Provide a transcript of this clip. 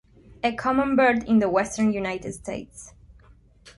A common bird in the western United States.